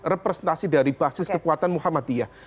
representasi dari basis kekuatan muhammadiyah